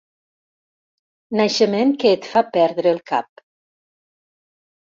Naixement que et fa perdre el cap.